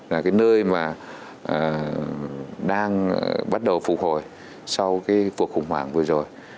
là cái nơi mà đang bắt đầu phục hồi sau cái cuộc khủng hoảng vừa rồi